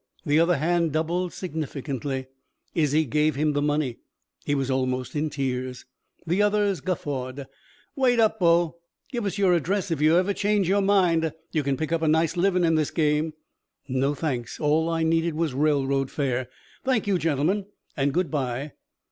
The other hand doubled significantly. Izzie gave him the money. He was almost in tears. The others guffawed. "Wait up, bo. Give us your address if you ever change your mind. You can pick up a nice livin' in this game." "No, thanks. All I needed was railroad fare. Thank you, gentlemen and good by."